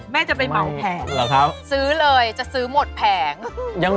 แม่จะไปเหมาแผงซื้อเลยจะซื้อหมดแผง